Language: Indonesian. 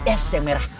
es ya merah